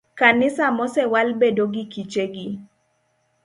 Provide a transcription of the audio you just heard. Kanisa mosewal bedo gi kichegi